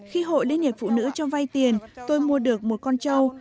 khi hội liên hiệp phụ nữ cho vay tiền tôi mua được một con trâu